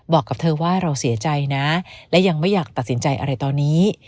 บอกกับเธอว่าเราเสียใจนะและยังไม่อยากตัดสินใจอะไรตอนนี้